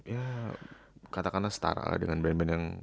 ya katakanlah setara lah dengan brand brand yang